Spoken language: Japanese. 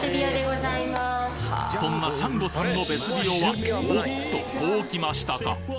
そんなシャンゴさんのベスビオはおっとこうきましたか！